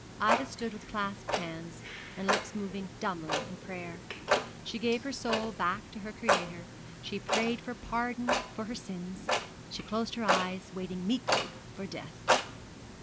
Ida stood with clasped hands, and lips moving dumbly in prayer. She gave her soul back to her Creator; she prayed for pardon for her sins; she closed her eyes waiting meekly for death.